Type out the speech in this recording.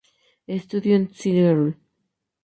Estudió en St.